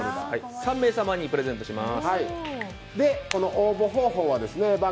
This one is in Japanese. ３名様にプレゼントします。